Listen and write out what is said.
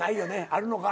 あるのか？